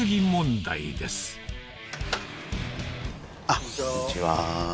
あっこんにちは。